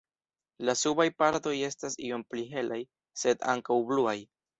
La subaj partoj estas iom pli helaj, sed ankaŭ bluaj.